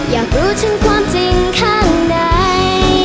อยากรู้ถึงความจริงข้างใด